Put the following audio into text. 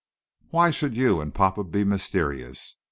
Why should you and papa be mysterious?